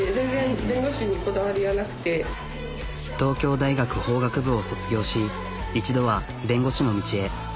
東京大学法学部を卒業し一度は弁護士の道へ。